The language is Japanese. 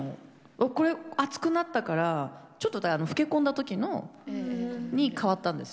これ厚くなったからちょっと老け込んだ時に変わったんですよ。